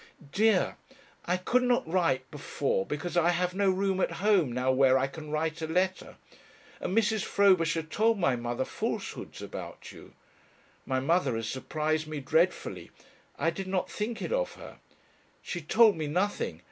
"Dear, I could not write before because I have no room at home now where I can write a letter, and Mrs. Frobisher told my mother falsehoods about you. My mother has surprised me dreadfully I did not think it of her. She told me nothing.